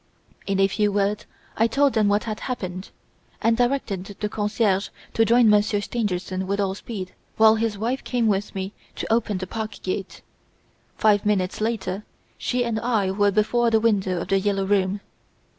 In a few words I told them what had happened, and directed the concierge to join Monsieur Stangerson with all speed, while his wife came with me to open the park gate. Five minutes later she and I were before the window of "The Yellow Room".